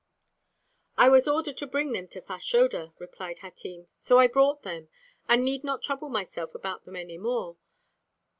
"I was ordered to bring them to Fashoda," replied Hatim, "so I brought them, and need not trouble myself about them any more.